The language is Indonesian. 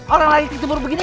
orang lain ikut nyebur begini